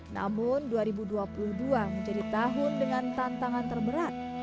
namun dua ribu dua puluh dua menjadi tahun dengan tantangan terberat